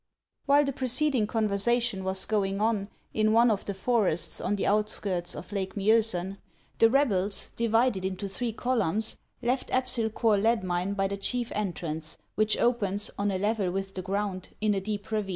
WHILE the preceding conversation was going on in one of the forests on the outskirts of Lake Miosen, the rebels, divided into three columns, left Apsyl Corh lead mine by the chief entrance, which opens, on a level with the ground, in a deep ravine.